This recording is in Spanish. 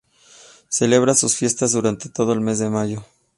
Celebra sus fiestas durante todo el mes de mayo.